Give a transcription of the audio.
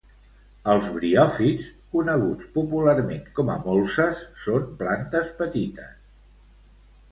Els briòfits, coneguts popularment com a molses, són plantes petites